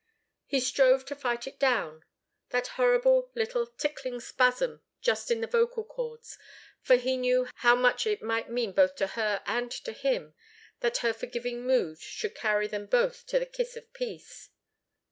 He strove to fight it down, that horrible little tickling spasm just in the vocal chords, for he knew how much it might mean both to her and to him, that her forgiving mood should carry them both to the kiss of peace.